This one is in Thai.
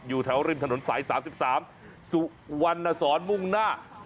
อยู่แถวริมถนนสาย๓๓สุวรรณสอนมุ่งหน้า